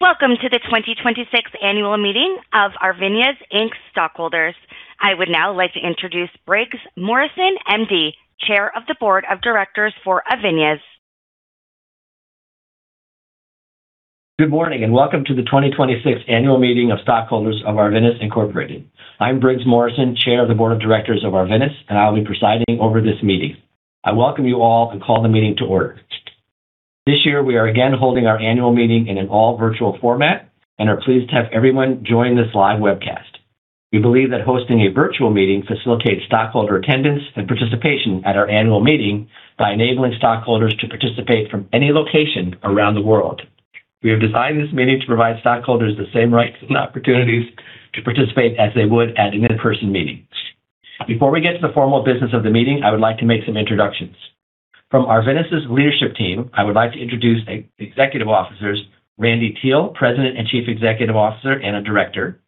Welcome to the 2026 annual meeting of Arvinas, Inc's stockholders. I would now like to introduce Briggs Morrison, M.D., Chair of the Board of Directors for Arvinas. Good morning, welcome to the 2026 annual meeting of stockholders of Arvinas, Incorporated. I'm Briggs Morrison, Chair of the Board of Directors of Arvinas. I'll be presiding over this meeting. I welcome you all and call the meeting to order. This year, we are again holding our annual meeting in an all-virtual format and are pleased to have everyone join this live webcast. We believe that hosting a virtual meeting facilitates stockholder attendance and participation at our annual meeting by enabling stockholders to participate from any location around the world. We have designed this meeting to provide stockholders the same rights and opportunities to participate as they would at an in-person meeting. Before we get to the formal business of the meeting, I would like to make some introductions. From Arvinas' leadership team, I would like to introduce the executive officers, Randy Teel, President and Chief Executive Officer, and a Director,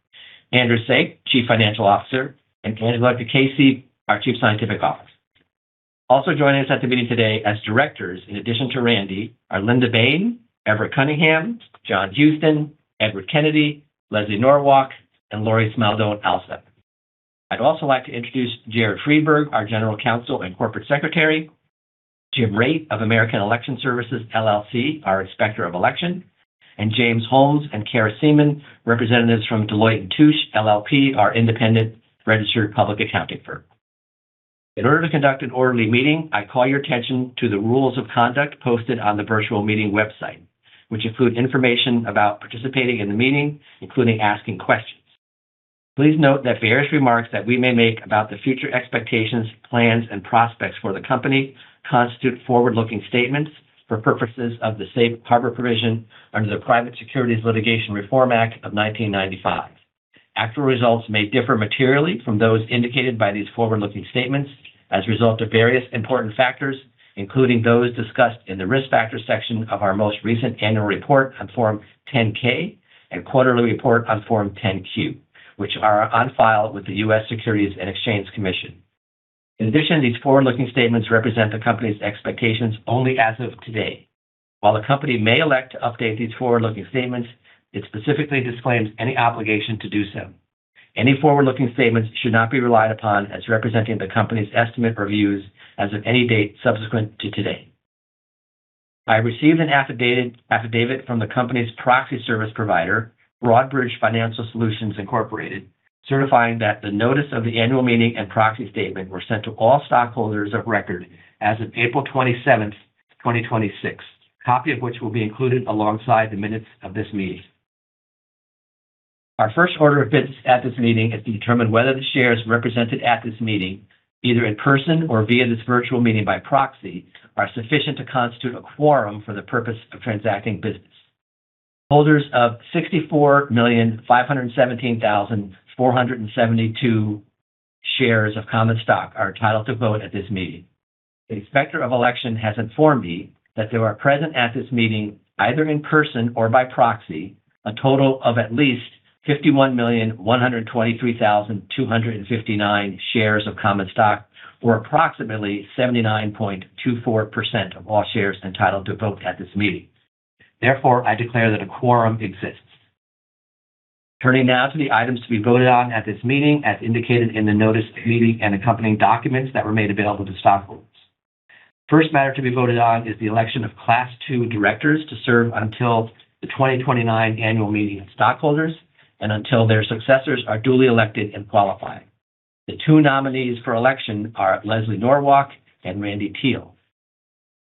Andrew Saik, Chief Financial Officer, and Angela Cacace, our Chief Scientific Officer. Also joining us at the meeting today as directors, in addition to Randy, are Linda Bain, Everett Cunningham, John Houston, Edward Kennedy, Leslie Norwalk, and Laurie Smaldone Alsup. I'd also like to introduce Jared Freedberg, our General Counsel and Corporate Secretary, Jim Raitt of American Election Services, LLC, our Inspector of Election, and James Holmes and Kara Seamon, representatives from Deloitte & Touche, LLP, our independent registered public accounting firm. In order to conduct an orderly meeting, I call your attention to the rules of conduct posted on the virtual meeting website, which include information about participating in the meeting, including asking questions. Please note that various remarks that we may make about the future expectations, plans, and prospects for the company constitute forward-looking statements for purposes of the safe harbor provision under the Private Securities Litigation Reform Act of 1995. Actual results may differ materially from those indicated by these forward-looking statements as a result of various important factors, including those discussed in the Risk Factor section of our most recent annual report on Form 10-K and quarterly report on Form 10-Q, which are on file with the U.S. Securities and Exchange Commission. In addition, these forward-looking statements represent the company's expectations only as of today. While the company may elect to update these forward-looking statements, it specifically disclaims any obligation to do so. Any forward-looking statements should not be relied upon as representing the company's estimate or views as of any date subsequent to today. I received an affidavit from the company's proxy service provider, Broadridge Financial Solutions Incorporated, certifying that the notice of the annual meeting and proxy statement were sent to all stockholders of record as of April 27, 2026. Copy of which will be included alongside the minutes of this meeting. Our first order of business at this meeting is to determine whether the shares represented at this meeting, either in person or via this virtual meeting by proxy, are sufficient to constitute a quorum for the purpose of transacting business. Holders of 64,517,472 shares of common stock are entitled to vote at this meeting. The inspector of election has informed me that there are present at this meeting, either in person or by proxy, a total of at least 51,123,259 shares of common stock, or approximately 79.24% of all shares entitled to vote at this meeting. Therefore, I declare that a quorum exists. Turning now to the items to be voted on at this meeting, as indicated in the notice of the meeting and accompanying documents that were made available to stockholders. First matter to be voted on is the election of Class II directors to serve until the 2029 annual meeting of stockholders and until their successors are duly elected and qualified. The two nominees for election are Leslie Norwalk and Randy Teel.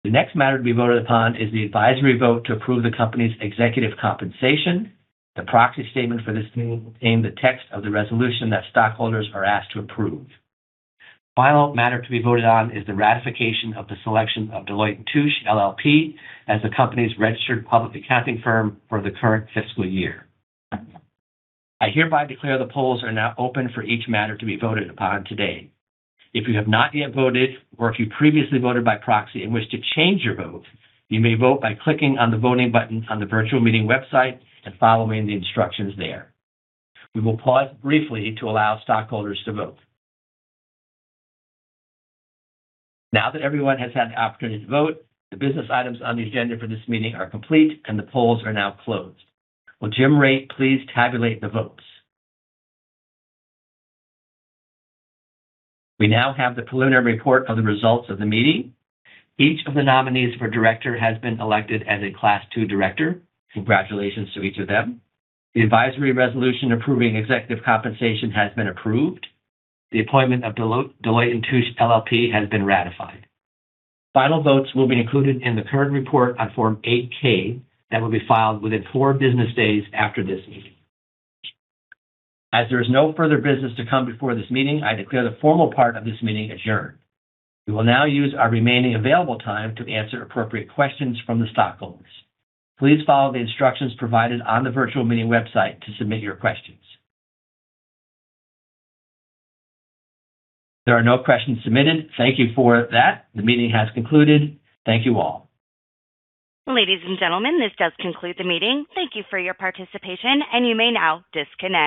The next matter to be voted upon is the advisory vote to approve the company's executive compensation. The proxy statement for this meeting will contain the text of the resolution that stockholders are asked to approve. Final matter to be voted on is the ratification of the selection of Deloitte & Touche LLP as the company's registered public accounting firm for the current fiscal year. I hereby declare the polls are now open for each matter to be voted upon today. If you have not yet voted or if you previously voted by proxy and wish to change your vote, you may vote by clicking on the voting button on the virtual meeting website and following the instructions there. We will pause briefly to allow stockholders to vote. Now that everyone has had an opportunity to vote, the business items on the agenda for this meeting are complete, and the polls are now closed. Will Jim Raitt please tabulate the votes? We now have the preliminary report of the results of the meeting. Each of the nominees for director has been elected as a Class II director. Congratulations to each of them. The advisory resolution approving executive compensation has been approved. The appointment of Deloitte & Touche LLP has been ratified. Final votes will be included in the current report on Form 8-K that will be filed within four business days after this meeting. As there is no further business to come before this meeting, I declare the formal part of this meeting adjourned. We will now use our remaining available time to answer appropriate questions from the stockholders. Please follow the instructions provided on the virtual meeting website to submit your questions. There are no questions submitted. Thank you for that. The meeting has concluded. Thank you all. Ladies and gentlemen, this does conclude the meeting. Thank you for your participation, and you may now disconnect.